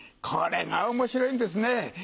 これが面白いんですね。